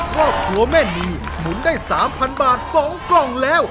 ครอบครัวแม่นีหมุนได้๓๐๐บาท๒กล่องแล้ว